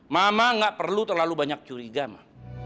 mama nggak perlu terlalu banyak curiga ma